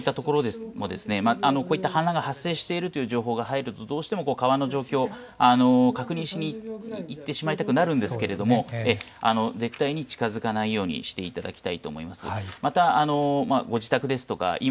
こういったところでも、こういった氾濫が発生しているという情報が入るとどうしても川の状況を確認しに行ってしまいたくなるんですけれども、絶対に近づかないようにしていただきたいと思います。